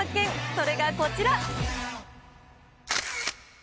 それがこちら。